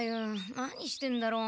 何してんだろう。